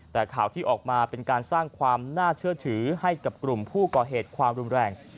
แต่ข่าวที่ออกมาเป็นการสร้างความน่าเชื่อถือให้กับกลุ่มผู้ก่อเหตุความรุนแรง